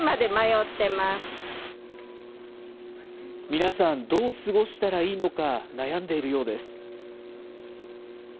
皆さん、どう過ごしたらいいのか悩んでいるようです。